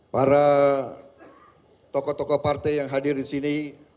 para tokoh tokoh partai yang hadir disini